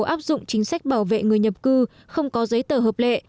áp dụng chính sách bảo vệ người nhập cư không có giấy tờ hợp lệ